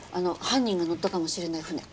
犯人が乗ったかもしれない船。